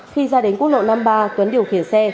khi ra đến quốc lộ năm mươi ba tuấn điều khiển xe